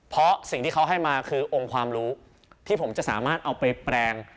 เพราะสิ่งที่เขาให้มาคือองค์ความรู้ที่ผมจะสามารถเอาไปแปลง